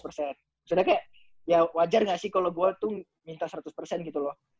maksudnya kayak ya wajar gak sih kalo gue tuh minta seratus gitu loh